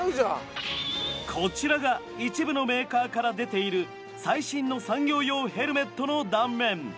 こちらが一部のメーカーから出ている最新の産業用ヘルメットの断面。